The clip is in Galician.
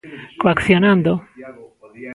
¡Coaccionando!